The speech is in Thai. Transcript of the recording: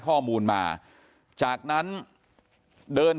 กลุ่มตัวเชียงใหม่